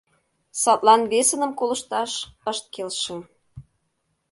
Садлан весыным колышташ ышт келше.